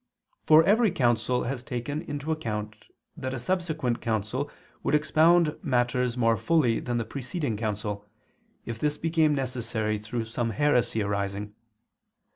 For every council has taken into account that a subsequent council would expound matters more fully than the preceding council, if this became necessary through some heresy arising.